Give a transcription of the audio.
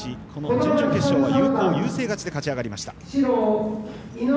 準々決勝は有効、優勢勝ちで勝ち上がりました。